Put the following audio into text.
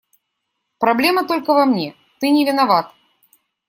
Проблема только во мне, ты не виноват.